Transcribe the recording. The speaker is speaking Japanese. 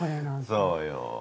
そうよ